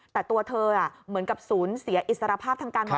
แต่ตัวเธอเหมือนกับศูนย์เสียอิสรภาพทางการเมือง